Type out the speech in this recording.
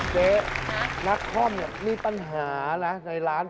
เจ๊นักคล่อมเนี่ยมีปัญหานะในร้าน